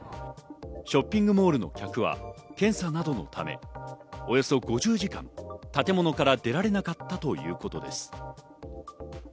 ショッピングモールの客は検査などのため、およそ５０時間、建物から出られなかったということです。